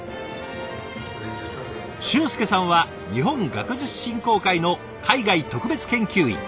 俊介さんは日本学術振興会の海外特別研究員。